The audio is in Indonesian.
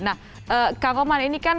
nah kak roman ini kan